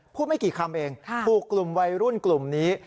ไม่กี่คำเองถูกกลุ่มวัยรุ่นกลุ่มนี้